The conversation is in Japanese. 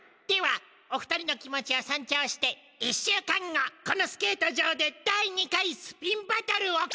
ではお二人の気持ちをそんちょうして１週間後このスケート場で第２回スピンバトルを。